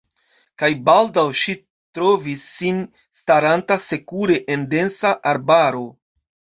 Kaj baldaŭ ŝi trovis sin staranta sekure en densa arbaro.